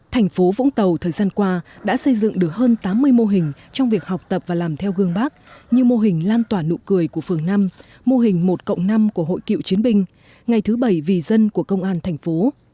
thành phố vũng tàu thời gian qua đã xây dựng được hơn tám mươi mô hình trong việc học tập và làm theo gương bác như mô hình lan tỏa nụ cười của phường năm mô hình một cộng năm của hội cựu chiến binh ngày thứ bảy vì dân của công an thành phố